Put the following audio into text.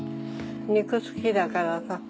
肉好きだからさ。